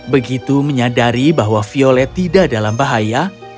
begitu menyadari bahwa violet tidak dalam bahaya